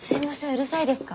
うるさいですか？